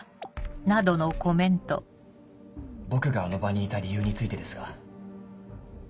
僕があの場にいた理由についてですが。